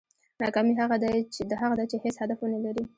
ناکامي هغه ده چې هېڅ هدف ونه لرې.